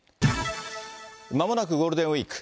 まもなくゴールデンウィーク。